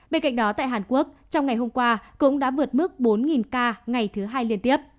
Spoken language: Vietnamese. bên cạnh đó tại hàn quốc trong ngày hôm qua cũng đã vượt mức bốn ca ngày thứ hai liên tiếp